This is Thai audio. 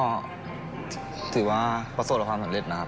ก็เป็นความสำเร็จหน่อยนะครับผมว่าจับหูกก็มาเป็นประสบความสำเร็จหน่อยนะครับ